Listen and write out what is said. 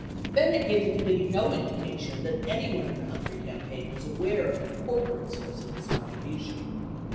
Bennett gave the committee no indication that anyone in the Humphrey campaign was aware of the corporate source of this contribution.